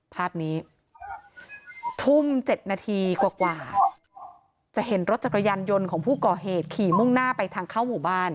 ภาพนี้ทุ่ม๗นาทีกว่าจะเห็นรถจักรยานยนต์ของผู้ก่อเหตุขี่มุ่งหน้าไปทางเข้าหมู่บ้าน